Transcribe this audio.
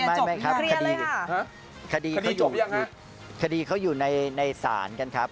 อาไม่ครับคดีเค้าอยู่ในศาลกันครับ